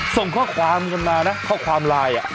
ส่งข้อความส่งมานะข้อความลาย